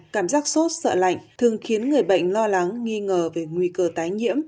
cảm giác sốt sợ lạnh thường khiến người bệnh lo lắng nghi ngờ về nguy cơ tái nhiễm